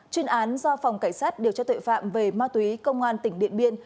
chuyên án do phòng cảnh sát điều tra tuệ phạm về ma túy công an tỉnh điện biên